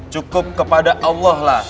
cukup kepada allah lah